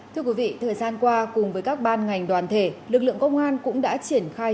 thưa quý vị thời gian qua cùng với các ban ngành đoàn thể lực lượng công an cũng đã triển khai